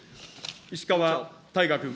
石川大我君。